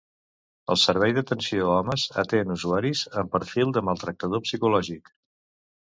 El Servei d'Atenció a Homes atén usuaris amb perfil de maltractador psicològic.